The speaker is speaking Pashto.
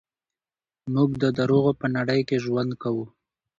موږ د دروغو په نړۍ کې ژوند کوو.